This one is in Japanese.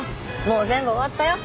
もう全部終わったよ。